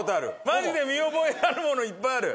マジで見覚えのあるものいっぱいある！